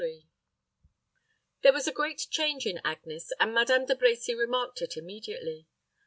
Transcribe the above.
There was a great change in Agnes, and Madame De Brecy remarked it immediately.